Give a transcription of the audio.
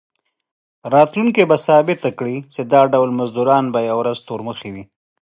راتلونکي به ثابته کړي چې دا ډول مزدوران به یوه ورځ تورمخي وي.